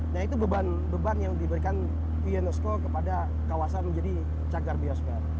nah itu beban yang diberikan unesco kepada kawasan menjadi cagar biosfer